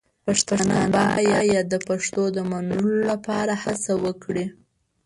پښتانه باید د پښتو د منلو لپاره هڅه وکړي.